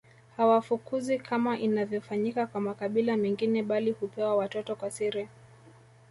Hawafukuzwi kama inavyofanyika kwa makabila mengine bali hupewa watoto kwa siri